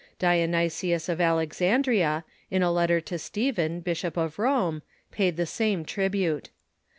Dionysius of Alexandria, in a letter to Stephen, Bishop of Rome, paid the same tribute.